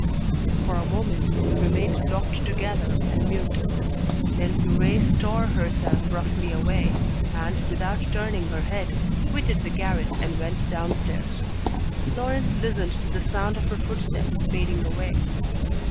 For a moment they remained locked together and mute. Then Thérèse tore herself roughly away, and, without turning her head, quitted the garret and went downstairs. Laurent listened to the sound of her footsteps fading away.